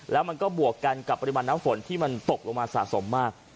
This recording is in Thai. แล้วมันก็บวกกันกับปริมาณน้ำฝนที่มันตกลงมาสะสมมาก